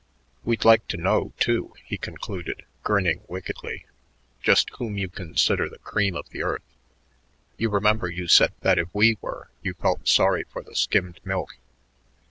"We'd like to know, too," he concluded, grinning wickedly, "just whom you consider the cream of the earth. You remember you said that if we were you felt sorry for the skimmed milk."